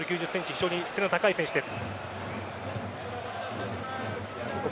非常に背の高い選手です。